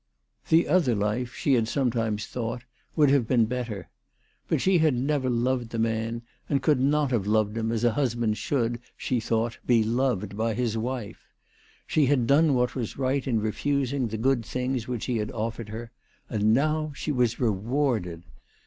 The other life, she had sometimes thought, would have been better. But she had never loved the man, and could not have loved him as a husband should, she thought, be loved by his wife. She had done what was right in refusing the good things which he had offered her, and now she was rewarded